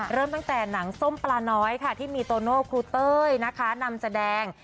เริ่มตั้งแต่หนังส้มปลาน้อยค่ะที่มีโตโน่ครูเต้ยนะคะนำแสดง